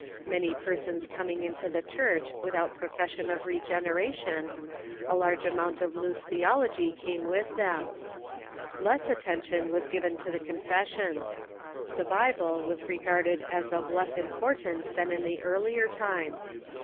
Many persons coming into the . r, .. Church without profession of regeneration, a larsje A Reaction '■& 5 » amount of loose theology came in with them. Less attention was given to the confessions. The Bible was re garded as of less importance than in the earlier time.